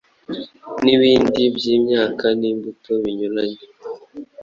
n’ibindi by’imyaka n’imbuto binyuranye.